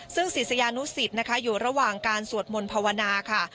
ซึ่งศิษยานุสิตนะคะอยู่ระหว่างการสวดมนต์ภาวนาค่ะ